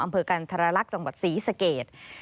อำเภอกันธรรลักษณ์จังหวัดศรีสเกต